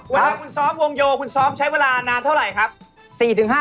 เวลาคุณซ้อมวงโยคุณซ้อมใช้เวลานานเท่าไหร่ครับ